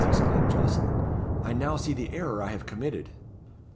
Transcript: exclaimed Jocelyn, "I now see the error I have committed."